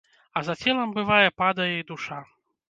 А за целам, бывае, падае і душа.